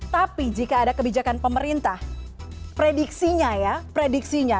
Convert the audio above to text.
tapi jika ada kebijakan pemerintah prediksinya ya prediksinya